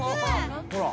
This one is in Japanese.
ほら。